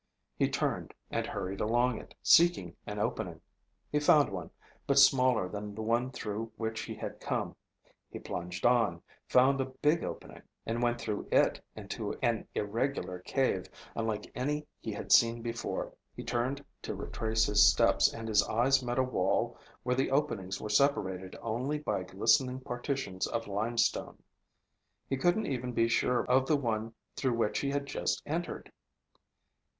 He turned and hurried along it, seeking an opening. He found one, but smaller than the one through which he had come. He plunged on, found a big opening, and went through it into an irregular cave unlike any he had seen before. He turned to retrace his steps, and his eyes met a wall where the openings were separated only by glistening partitions of limestone. He couldn't even be sure of the one through which he had just entered.